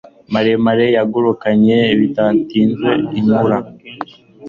maremare yangurukanye bidatinze inkura